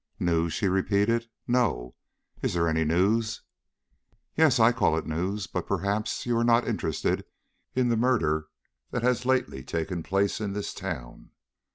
"News," she repeated, "no; is there any news?" "Yes, I call it news. But, perhaps, you are not interested in the murder that has lately taken place in this town?"